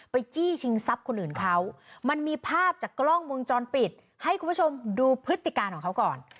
จี้ชิงทรัพย์คนอื่นเขามันมีภาพจากกล้องวงจรปิดให้คุณผู้ชมดูพฤติการของเขาก่อน